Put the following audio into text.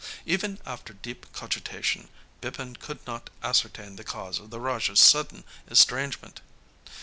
Even after deep cogitation, Bipin could not ascertain the cause of the Raja's sudden estrangement.